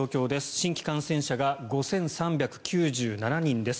新規感染者が５３９７人です。